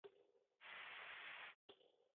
شورا له یوه تن غړي سره وګوري.